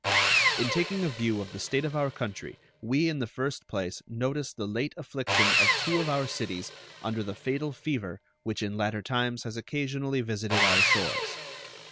In taking a view of the state of our country we in the first place notice the late affliction of two of our cities under the fatal fever which in latter times has occasionally visited our shores.